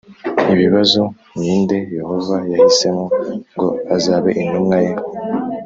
Ibibazo Ni nde Yehova yahisemo ngo azabe intumwa ye